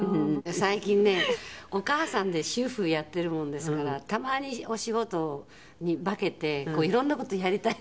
最近ねお母さんで主婦やってるものですからたまにお仕事に化けていろんな事やりたいのね。